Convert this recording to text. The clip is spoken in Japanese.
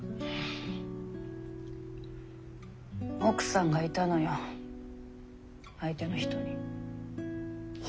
奥さんがいたのよ相手の人に。